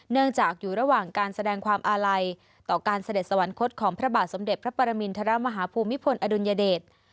เนื่องจากอยู่ระหว่างการแสดงความอาลัยต่อการเสด็จสวรรคตของพระบาทสมเด็จพระปรมินทรมาฮภูมิพลอดุลยเดช